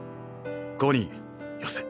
コニーよせ。